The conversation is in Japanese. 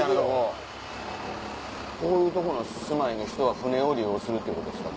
こういうとこの住まいの人は船を利用するっていうことですか？